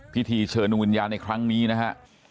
พิธีเชิญดวงวิญญาณในครั้งนี้นะฮะ